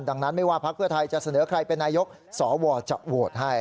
ดังนั้นไม่ว่าพักเพื่อไทยจะเสนอใครเป็นนายกสวจะโหวตให้